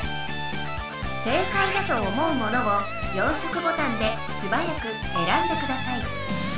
正解だと思うものを４色ボタンですばやくえらんでください。